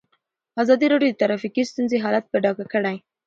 ازادي راډیو د ټرافیکي ستونزې حالت په ډاګه کړی.